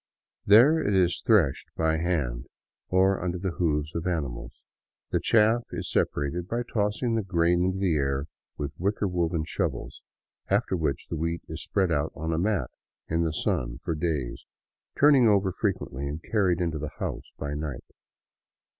There it is threshed by hand, or under the hoofs of animals; the chaff is separated by tossing the grain into the air with wicker woven shovels, after which the wheat is spread out on a mat in the sun for days, turned over frequently and carried into the house by night.